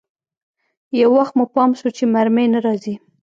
خو يو وخت مو پام سو چې مرمۍ نه راځي.